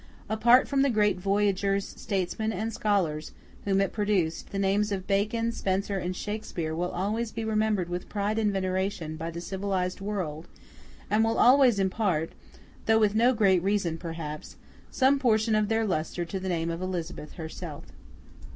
Apart from the great voyagers, statesmen, and scholars, whom it produced, the names of Bacon, Spenser, and Shakespeare, will always be remembered with pride and veneration by the civilised world, and will always impart (though with no great reason, perhaps) some portion of their lustre to the name of Elizabeth herself.